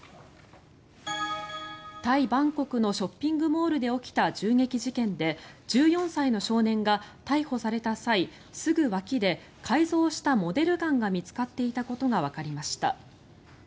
タイ・バンコクのショッピングモールで起きた銃撃事件で１４歳の少年が逮捕された際すぐ脇で改造したモデルガンが見つかっていたことがわかりました。